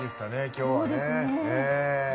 きょうはね。